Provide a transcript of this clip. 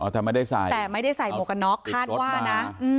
แต่ไม่ได้ใส่แต่ไม่ได้ใส่หมวกกันน็อกคาดว่านะ